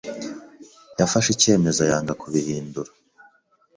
Yafashe icyemezo yanga kubihindura.